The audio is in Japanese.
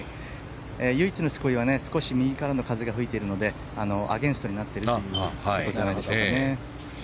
唯一の救いは少し右からの風が吹いているのでアゲンストになってるということなんですね。